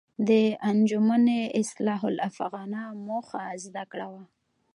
د انجمن اصلاح الافاغنه موخه زده کړه وه.